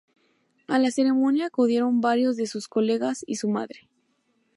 A la ceremonia acudieron varios de sus colegas y su madre.